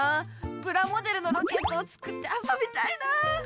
プラモデルのロケットを作ってあそびたいな。